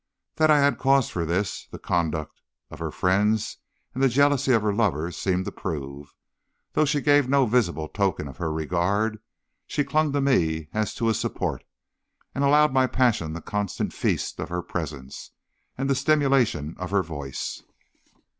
That I had cause for this, the conduct of her friends and the jealousy of her lovers seemed to prove. Though she gave no visible token of her regard, she clung to me as to a support, and allowed my passion the constant feast of her presence and the stimulation of her voice.